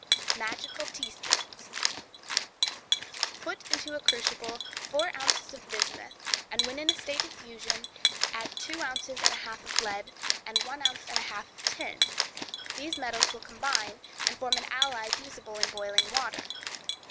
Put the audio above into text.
Magical Teaspoons.—Put into a crucible four ounces of bismuth, and when in a state of fusion, add two ounces and a half of lead, and one ounce and a half of tin; these metals will combine, and form an alloy fusible in boiling water.